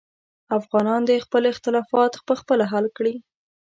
افغانان دې خپل اختلافات پخپله حل کړي.